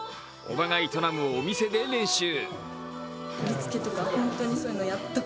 おばが営むお店で練習。